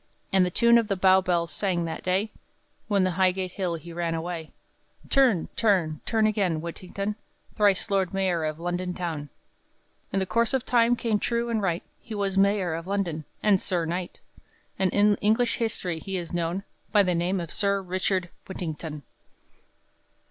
And the tune the Bow bells sang that day, When to Highgate Hill he ran away, "Turn, turn, turn again, Whittington, Thrice Lord Mayor of London town," In the course of time came true and right, He was Mayor of London, and Sir Knight; And in English history he is known, By the name of Sir Richard Whittington!